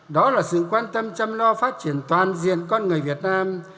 đó là sự quan tâm chăm lo phát triển toàn diện con người việt nam